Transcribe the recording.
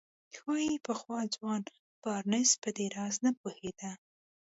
ښايي پخوا ځوان بارنس په دې راز نه پوهېده.